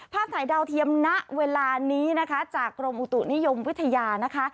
ถ่ายดาวเทียมณเวลานี้นะคะจากกรมอุตุนิยมวิทยานะคะ